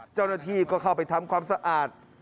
เจ้าหน้าที่ก็เข้าไปทำความสะอาด